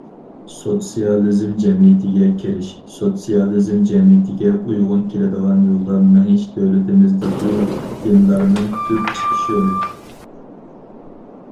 سوتسىيالىزم جەمئىيىتىگە كىرىش، سوتسىيالىزم جەمئىيىتىگە ئۇيغۇن كېلىدىغان يولدا مېڭىش دۆلىتىمىزدىكى دىنلارنىڭ تۈپ چىقىش يولى.